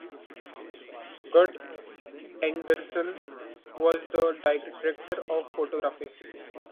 Gert Andersen was the director of photography.